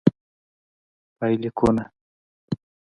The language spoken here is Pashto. پایلیکونه: